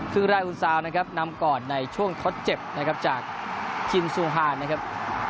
ครึ่งแรกอุณซาวนะครับนำก่อนในช่วงทดเจ็บนะครับจากชินซูฮานนะครับ